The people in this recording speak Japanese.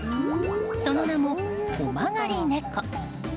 その名も尾曲がりねこ。